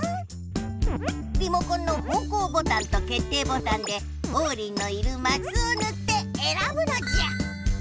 リモコンのほうこうボタンとけっていボタンでオウリンのいるマスをぬってえらぶのじゃ！